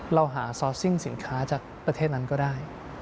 เราหาซอสซิ่งสินค้าจากประเทศนั้นก็ได้